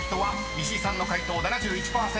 石井さんの解答７１％］